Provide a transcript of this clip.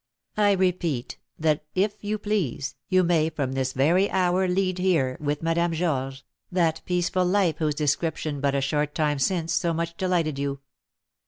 "I repeat that, if you please, you may from this very hour lead here, with Madame Georges, that peaceful life whose description but a short time since so much delighted you.